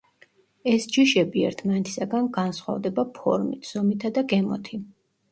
ეს ჯიშები ერთმანეთისაგან გასხვავდება ფორმით, ზომითა და გემოთი.